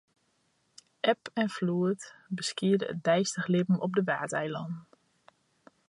Eb en floed beskiede it deistich libben op de Waadeilannen.